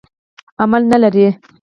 عمل نه لري.